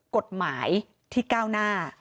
กฎหมายที่ก้าวหน้า